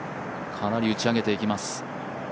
かなり打ち上げていきます。